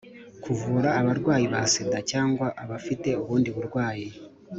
kuvura abarwayi ba sida cyangwa abafite ubundi burwayi.